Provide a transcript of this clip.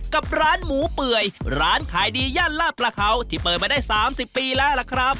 กับร้านหมูเปื่อยร้านขายดีชื่อของยานลาปลาเคาที่เปิดไปได้๓๐ปีแล้วละครับ